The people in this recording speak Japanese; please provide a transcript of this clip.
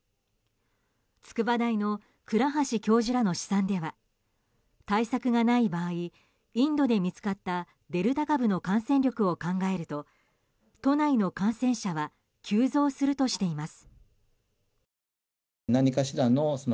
筑波大の倉橋教授らの試算では対策がない場合インドで見つかったデルタ株の感染力を考えると都内の感染者は急増するとしています。